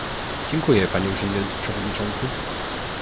Dziękuję, panie urzędujący przewodniczący